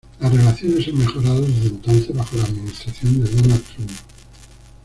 Las relaciones han mejorado desde entonces bajo la administración de Donald Trump.